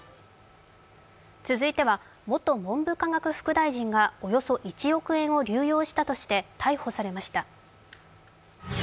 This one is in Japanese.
続いては元文部科学副大臣がおよそ１億円を流用したとして逮捕されました。